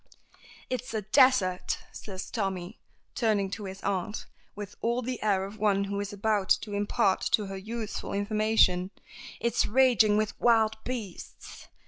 "It's a desert," says Tommy, turning to his aunt, with all the air of one who is about to impart to her useful information. "It's raging with wild beasts.